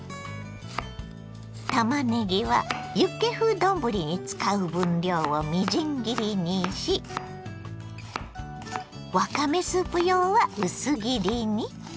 たまねぎはユッケ風丼に使う分量をみじん切りにしわかめスープ用は薄切りに。